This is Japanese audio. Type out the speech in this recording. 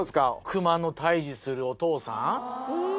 熊の退治するお父さん。